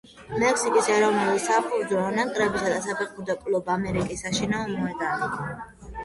მექსიკის ეროვნული საფეხბურთო ნაკრებისა საფეხბურთო კლუბ „ამერიკის“ საშინაო მოედანი.